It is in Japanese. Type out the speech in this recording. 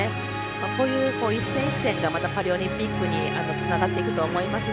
こういう一戦一戦がパリオリンピックにつながっていくと思いますし